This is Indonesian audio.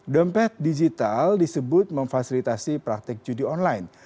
dompet digital disebut memfasilitasi praktek judi online